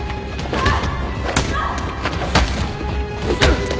あっ。